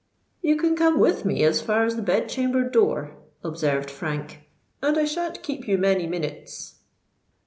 "You can come with me as far as the bed chamber door," observed Frank; "and I shan't keep you many minutes."